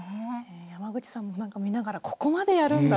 山口さんも見ながら「ここまでやるんだ？」